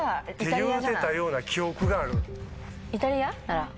言うてたような記憶がある。